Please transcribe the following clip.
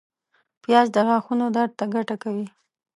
پیاز د غاښونو درد ته ګټه کوي